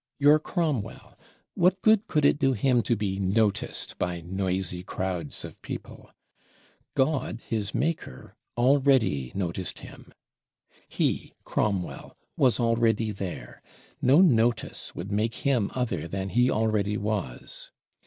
Your Cromwell, what good could it do him to be "noticed" by noisy crowds of people? God his Maker already noticed him. He, Cromwell, was already there; no notice would make him other than he already was.